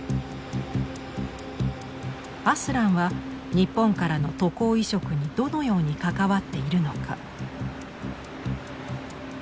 アスランは日本からの渡航移植にどのように関わっているのか。